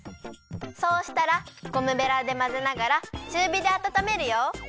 そうしたらゴムベラでまぜながらちゅうびであたためるよ。